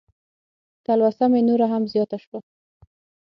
تلوسه مې نوره هم زیاته شوه.